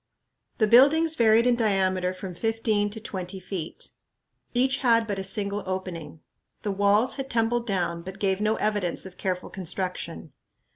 The buildings varied in diameter from fifteen to twenty feet. Each had but a single opening. The walls had tumbled down, but gave no evidence of careful construction.